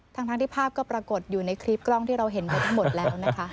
ทั้งที่ภาพก็ปรากฏอยู่ในคลิปกล้องที่เราเห็นไปทั้งหมดแล้วนะคะ